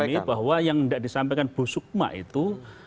kita memahami bahwa yang tidak disampaikan bu sukma itu